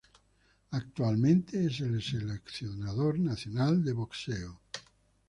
Actualmente es el seleccionador nacional de boxeo.